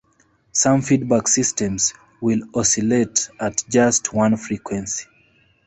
Some feedback systems will oscillate at just one frequency.